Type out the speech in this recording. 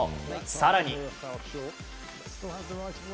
更に。